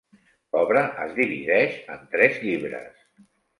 L'obra es divideix en tres llibres.